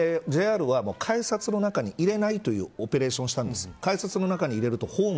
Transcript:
ＪＲは改札の中に入れないというオペレーションをしたんです。